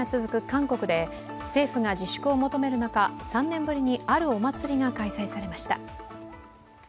韓国で政府が自粛を求める中、３年ぶりにあるお祭りが開催されました。